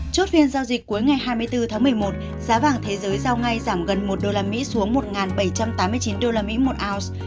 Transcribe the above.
chốt phiên giao dịch cuối ngày hai mươi bốn tháng một mươi một giá vàng thế giới giao ngay giảm gần một usd xuống một bảy trăm tám mươi chín usd một ounce